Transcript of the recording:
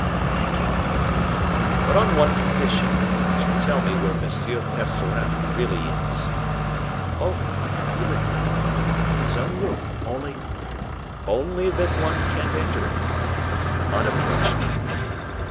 "Thank you." "But on one condition; that you tell me where M. Percerin really is." "Oh! willingly; in his own room. Only " "Only that one can't enter it?" "Unapproachable."